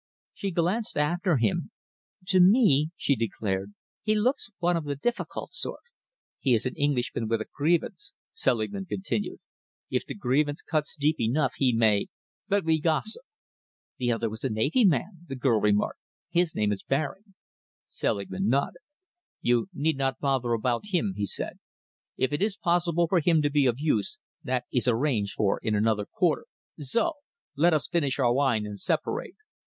She glanced after him, "To me," she declared, "he looks one of the difficult sort." "He is an Englishman with a grievance," Selingman continued. "If the grievance cuts deep enough, he may But we gossip." "The other was a navy man," the girl remarked. "His name is Baring." Selingman nodded. "You need not bother about him," he said. "If it is possible for him to be of use, that is arranged for in another quarter. So! Let us finish our wine and separate.